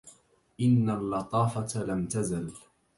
إن اللطافة لم تزل